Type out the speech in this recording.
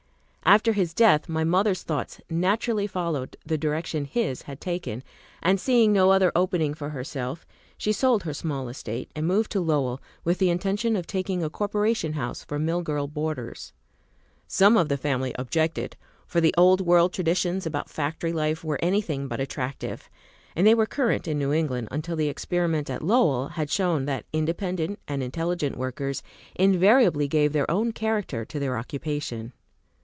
After his death, my mother's thoughts naturally followed the direction his had taken; and seeing no other opening for herself, she sold her small estate, and moved to Lowell, with the intention of taking a corporation house for mill girl boarders. Some of the family objected, for the Old World traditions about factory life were anything but attractive; and they were current in New England until the experiment at Lowell had shown that independent and intelligent workers invariably give their own character to their occupation.